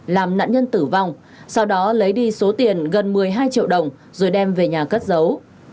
làm nạn nhân tử vong sau đó lấy đi số tiền gần một mươi hai triệu đồng rồi đem về nhà cất giấu